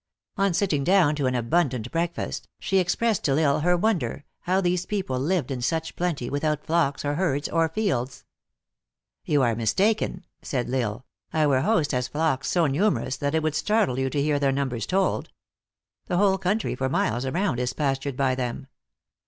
On sitting down to an abundant breakfast, she expressed to L Isle her wonder, how these people lived in such plenty, without flocks, or herds, or fields. " You are mistaken," said L Isle. " Our host has flocks so numerous, that it would startle you to hear their numbers told. The whole country for miles around is pastured by them.